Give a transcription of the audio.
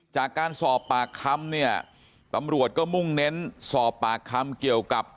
จากการสอบปากคำเนี่ยตำรวจก็มุ่งเน้นสอบปากคำเกี่ยวกับ